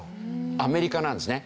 アメリカなんですね。